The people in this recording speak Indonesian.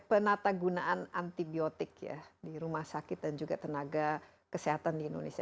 penata gunaan antibiotik ya di rumah sakit dan juga tenaga kesehatan di indonesia